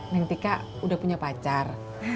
nanti kak udah punya pacar